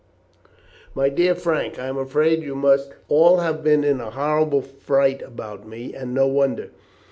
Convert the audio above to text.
"My dear Frank, I am afraid you must all have been in a horrible fright about me, and no wonder.